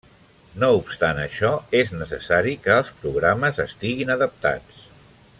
No obstant això, és necessari que els programes estiguin adaptats.